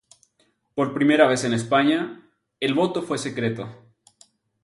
Por primera vez en España, el voto fue secreto.